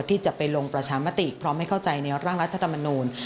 ที่จะไปลงประชามติเพราะไม่เข้าใจในร่างรัฐธรรมนูล